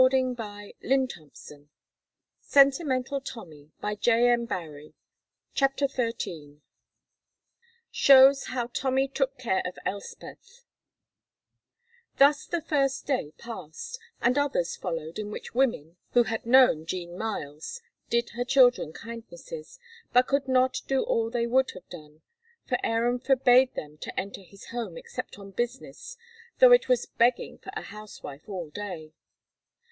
"Every word," Tommy replied. "Elspeth, we've done her!" CHAPTER XIII SHOWS HOW TOMMY TOOK CARE OF ELSPETH Thus the first day passed, and others followed in which women, who had known Jean Myles, did her children kindnesses, but could not do all they would have done, for Aaron forbade them to enter his home except on business though it was begging for a housewife all day.